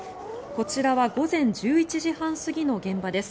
こちらは午前１１時半過ぎの現場です。